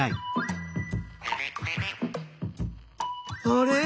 あれ？